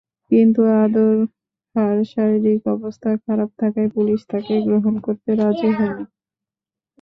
কিন্তু আদর খাঁর শারীরিক অবস্থা খারাপ থাকায় পুলিশ তাঁকে গ্রহণ করতে রাজি হয়নি।